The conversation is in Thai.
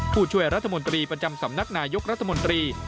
ผู้ช่วยรัฐมนตรีประจำสำนักนายกรัฐมนตรี